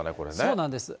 そうなんです。